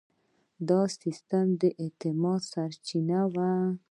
دا سیستم د اعتماد سرچینه وه.